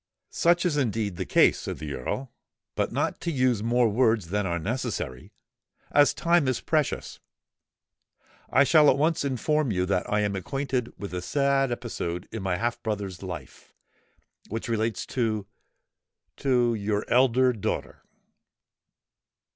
"Such is indeed the case," said the Earl. "But not to use more words than are necessary—as time is precious—I shall at once inform you that I am acquainted with the sad episode in my half brother's life, which relates to—to—your elder daughter."